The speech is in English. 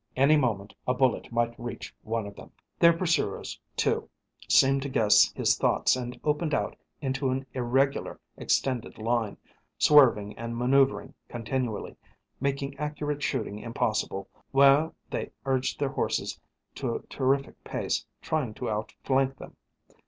Any moment a bullet might reach one of them. Their pursuers, too, seemed to guess his thoughts and opened out into an irregular, extended line, swerving and manoeuvring continually, making accurate shooting impossible, while they urged their horses to a terrific pace trying to outflank them.